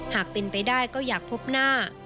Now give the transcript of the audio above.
หากเป็นไปได้ก็อยากพบหน้า